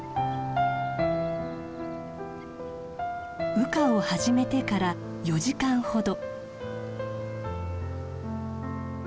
羽化を始めてから４時間ほど。